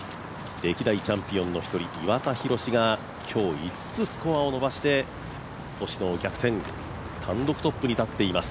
歴代チャンピオンの一人、岩田寛が今日５つスコアを伸ばして星野を逆転、単独トップに立っています。